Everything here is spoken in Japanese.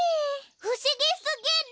ふしぎすぎる！